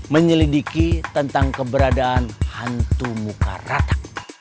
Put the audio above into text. menyelidiki tentang keberadaan hantu muka rata